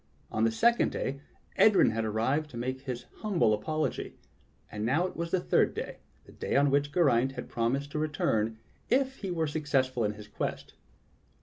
On the second day Edryn had arrived to make his humble apologj\ And now it was the third day — the day on which Geraint had promised to re turn if he were successful in his quest.